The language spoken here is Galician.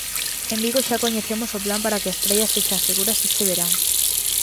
En Vigo xa coñecemos o plan para que as praias sexan seguras este verán.